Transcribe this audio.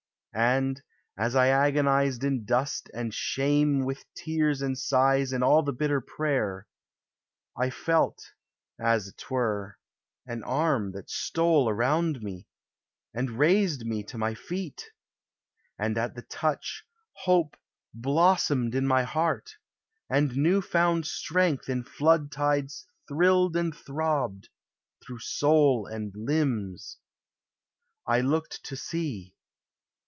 And as I agonized in dust and shame With tears and sighs in all the bitter prayer, I felt, as 't were, an arm that stole around me, And raised me to my feet. And at the touch, hope blossomed in my heart, And new found strength in flood tides thrilled and throbbed Through soul and limbs. I looked to see....